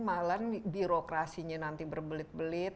malah birokrasinya nanti berbelit belit